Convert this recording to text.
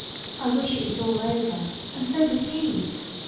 I wish it was all over; and so did he.